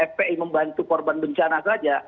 fpi membantu korban bencana saja